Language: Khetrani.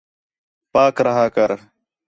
پاک رِہا کر